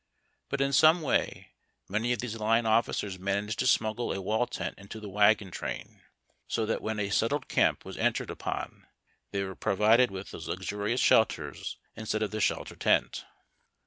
But in some way many okkkek'.s wall tent with fly. of these line officers managed to smuggle a wall tent into the wagon train, so that when a settled camp was entered upon they were pro vided with those luxurious shelters instead of the shelter tent.